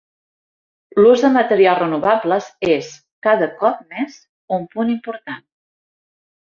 L'ús de materials renovables és, cada cop més, un punt important.